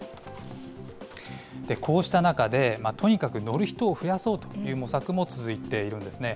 こうした中で、とにかく乗る人を増やそうという模索も続いているんですね。